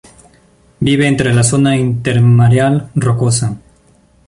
Vive entre la zona intermareal rocosa.